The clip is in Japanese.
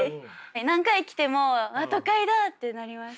何回来ても「都会だ」ってなります。